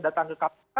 datang ke kapal